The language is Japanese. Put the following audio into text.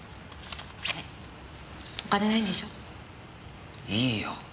お金ないんでしょ？いいよ。